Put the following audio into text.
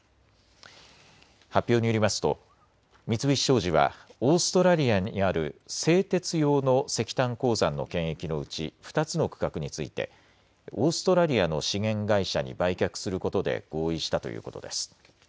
発表によりますと三菱商事はオーストラリアにある製鉄用の石炭鉱山の権益のうち２つの区画についてオーストラリアの資源会社に売却することで合意したということです。